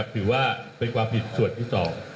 ถือว่าเป็นความผิดส่วนที่สอง